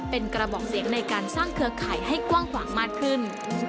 เป็นกระบอกเสียงในการสร้างเครือข่ายให้กว้างขวางมากขึ้น